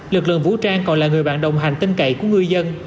lực lượng vũ trang còn là người bạn đồng hành tinh cậy của ngư dân